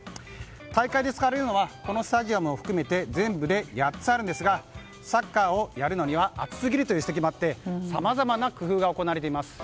大会で使われるのはこのスタジアムを含めて全部で８つありますがサッカーをやるには暑すぎるという指摘もあってさまざまな工夫が行われています。